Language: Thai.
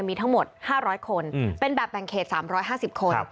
มีทั้งหมด๕๐๐คนเป็นแบบแบ่งเขต๓๕๐คน